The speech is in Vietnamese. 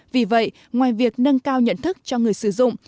vì vậy ngoài việc nâng cao nhận thức cho người sử dụng